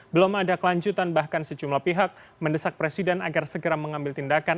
belum ada kelanjutan bahkan sejumlah pihak mendesak presiden agar segera mengambil tindakan